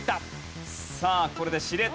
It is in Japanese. さあこれで。